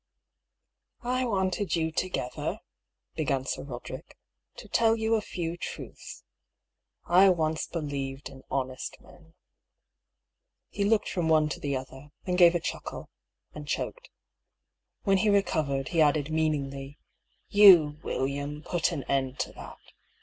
" I wanted you together," began Sir Roderick, " to tell you a few truths. I once believed in honest men." He looked from one to the other ; then gave a chuckle, and choked. When he recovered, he added, meaningly :• "Yon, William, put an end to that.'